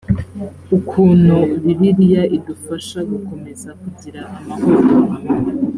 ukuntu bibiliya idufasha gukomeza kugira amahoro